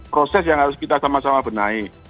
proses yang harus kita sama sama benahi